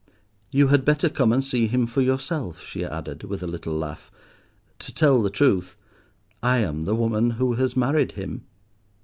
"You had better come and see him for yourself," she added, with a little laugh; "to tell the truth, I am the woman who has married him.